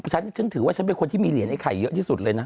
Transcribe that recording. ฉันฉันถือว่าฉันเป็นคนที่มีเหรียญไอไข่เยอะที่สุดเลยนะ